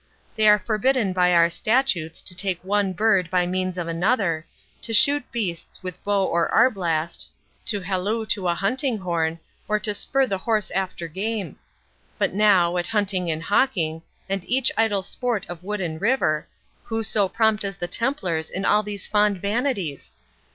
They are forbidden by our statutes to take one bird by means of another, to shoot beasts with bow or arblast, to halloo to a hunting horn, or to spur the horse after game. But now, at hunting and hawking, and each idle sport of wood and river, who so prompt as the Templars in all these fond vanities?